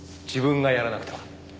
自分がやらなくては。